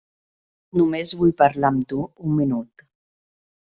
Només vull parlar amb tu un minut.